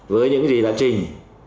với những gì là trình